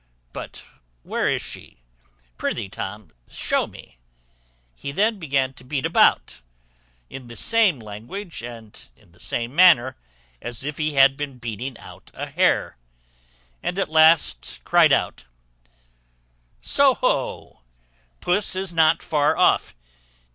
But where is she? Prithee, Tom, show me." He then began to beat about, in the same language and in the same manner as if he had been beating for a hare; and at last cried out, "Soho! Puss is not far off.